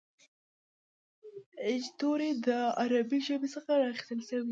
ابجد توري د عربي ژبي څخه را اخستل سوي دي.